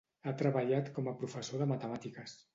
Ha treballat com a professor de matemàtiques.